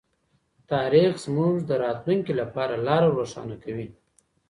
تاریخ زموږ د راتلونکي لپاره لاره روښانه کوي.